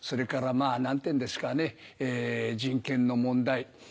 まぁ何ていうんですかね人権の問題。